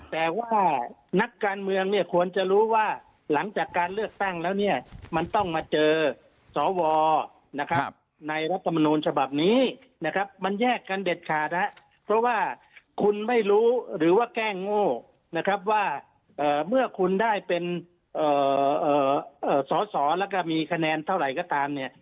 แต่ว่านักการเมืองเนี่ยควรจะรู้ว่าหลังจากการเลือกตั้งแล้วเนี่ยมันต้องมาเจอสวนะครับในรัฐมนูลฉบับนี้นะครับมันแยกกันเด็ดขาดนะครับเพราะว่าคุณไม่รู้หรือว่าแก้โง่นะครับว่าเมื่อคุณได้เป็นสอสอแล้วก็มีคะแนนเท่าไหร่ก็ตามเนี่ย